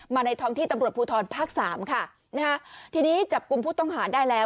มาในทองที่ตำรวจภูธรภาค๓ที่นี้จับกุมผู้ต้องหาได้แล้ว